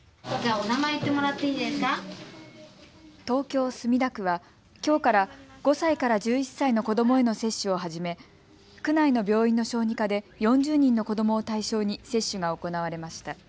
東京墨田区はきょうから５歳から１１歳の子どもへの接種を始め区内の病院の小児科で４０人の子どもを対象に接種が行われました。